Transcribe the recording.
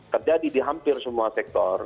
terjadi di hampir semua sektor